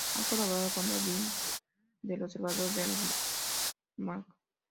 Ha colaborado con David J. Asher del Observatorio de Armagh.